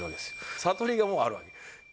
悟りがあるわけ。